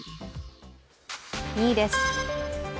２位です。